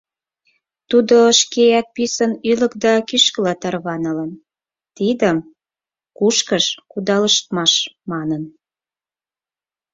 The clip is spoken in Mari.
Тудо шкеак писын ӱлык да кӱшкыла тарванылын – тидым «кушкыж кудалыштмаш» манын.